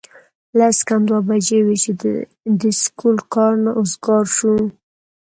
لس کم دوه بجې وې چې د سکول کار نه اوزګار شو